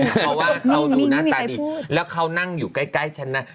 เพราะว่าเขาดูหน้าตาดีแล้วเขานั่งอยู่ใกล้ฉันนะ